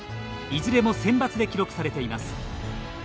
いずれもセンバツで記録されています。